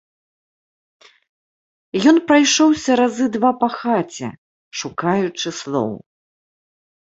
Ён прайшоўся разы два па хаце, шукаючы слоў.